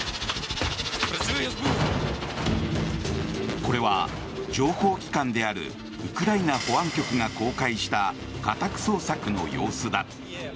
これは情報機関であるウクライナ保安局が公開した家宅捜索の様子だ。